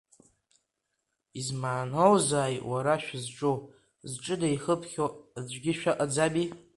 Измааноузаи уара шәызҿу, зҿы неихыԥхьо аӡәгьы шәыҟаӡами?